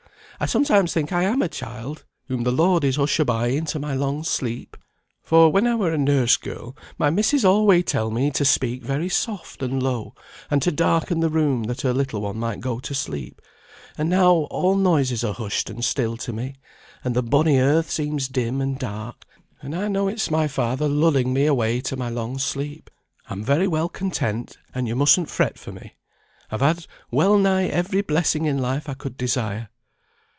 I sometimes think I am a child, whom the Lord is hushabying to my long sleep. For when I were a nurse girl, my missis alway telled me to speak very soft and low, and to darken the room that her little one might go to sleep; and now all noises are hushed and still to me, and the bonny earth seems dim and dark, and I know it's my Father lulling me away to my long sleep. I'm very well content, and yo mustn't fret for me. I've had well nigh every blessing in life I could desire."